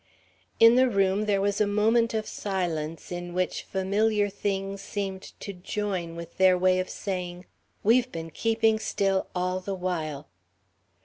In the room, there was a moment of silence in which familiar things seemed to join with their way of saying, "We've been keeping still all the while!"